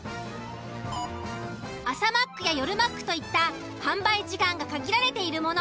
朝マックや夜マックといった販売時間が限られているもの。